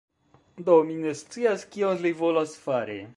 Do, mi ne scias kion li volas fari.